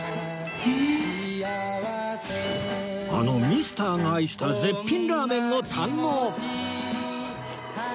あのミスターが愛した絶品ラーメンを堪能！